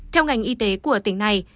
theo ngành y tế của tỉnh này